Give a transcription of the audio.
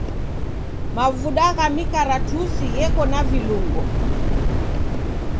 Mavuda gha mikaratusi gheko na vilungo.